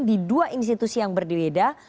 di dua institusi yang berbeda